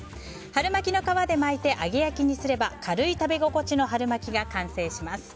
春巻きの皮で巻いて揚げ焼きにすれば軽い食べ心地の春巻きが完成します。